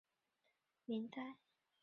城隍庙大殿的历史年代为明代。